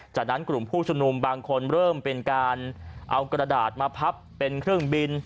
จากนั้นกลุ่มผู้ชุมนุมบางคนเริ่มเป็นการเอากระดาษมาพับเป็นเครื่องบิน